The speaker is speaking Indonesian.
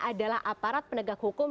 adalah aparat penegak hukum